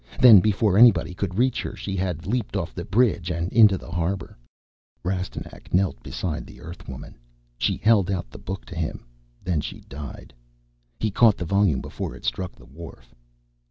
Then, before anybody could reach her, she had leaped off the bridge and into the harbor. Rastignac knelt beside the Earthwoman. She held out the book to him, then she died. He caught the volume before it struck the wharf.